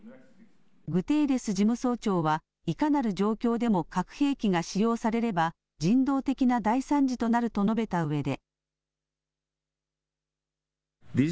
グテーレス事務総長はいかなる状況でも核兵器が使用されれば人道的な大惨事となると述べたうえで。